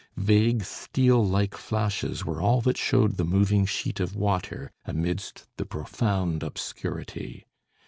Vague steel like flashes were all that showed the moving sheet of water, amidst the profound obscurity.